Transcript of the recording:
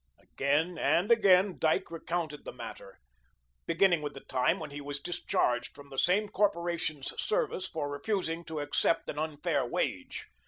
Again and again, Dyke recounted the matter, beginning with the time when he was discharged from the same corporation's service for refusing to accept an unfair wage.